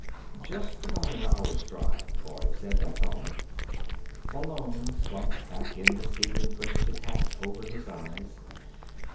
"Just about an hour's drive," Boyd said. "That's all." Malone slumped back in the seat and pushed his hat over his eyes.